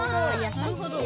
なるほどね。